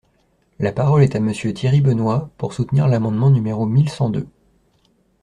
La parole est à Monsieur Thierry Benoit, pour soutenir l’amendement numéro mille cent deux.